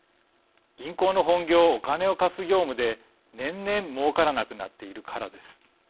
銀行の本業お金を貸す業務で年々もうからなくなっているからです。